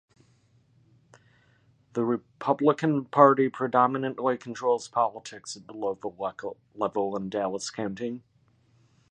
The Republican Party predominantly controls politics at the local level in Dallas County.